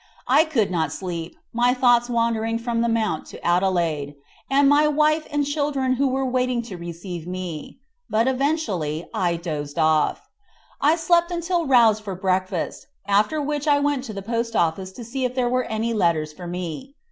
I could not sleep, my thoughts wandering from the mount to Adelaide and my wife and children who were waiting to receive me; but eventually I dozed off. I slept until roused for breakfast, after which I went to the post office to see if there were any letters for me.